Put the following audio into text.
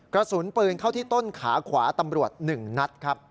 กระสุนปืนเข้าที่ต้นขาขวาตำรวจ๑นัดครับ